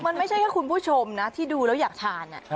มันไม่ใช่แค่คุณผู้ชมนะที่ดูแล้วอยากทาน